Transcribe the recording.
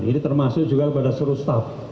ini termasuk juga kepada seluruh staff